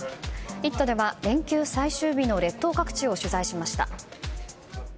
「イット！」では連休最終日の列島各地を取材しました。